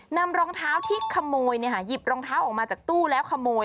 รองเท้าที่ขโมยหยิบรองเท้าออกมาจากตู้แล้วขโมย